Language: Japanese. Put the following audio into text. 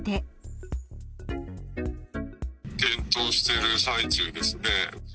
検討している最中ですね。